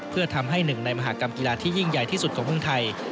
เพื่อทำให้หนึ่งในมหากรรมกีฬาที่ยิ่งใหญ่ที่สุดของเมืองไทย